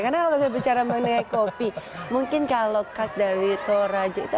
karena kalau saya bicara mengenai kopi mungkin kalau khas dari toraja itu